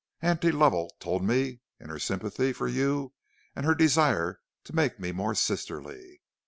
Auntie Lovell told me, in her sympathy for you and her desire to make me more sisterly.